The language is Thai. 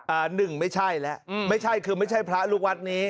หนึ่งไม่ใช่แล้วอืมไม่ใช่คือไม่ใช่พระลูกวัดนี้